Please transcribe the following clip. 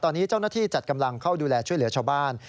ตอนนี้เจ้าหน้าที่จัดกำลังเข้าดูแลช่วยเหลือชาวบ้าน